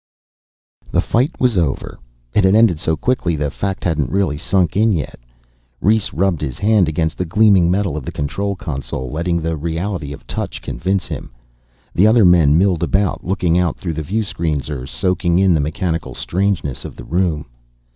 The fight was over. It had ended so quickly the fact hadn't really sunk in yet. Rhes rubbed his hand against the gleaming metal of the control console, letting the reality of touch convince him. The other men milled about, looking out through the viewscreens or soaking in the mechanical strangeness of the room.